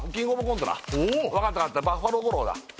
わかったわかったバッファロー吾郎だあ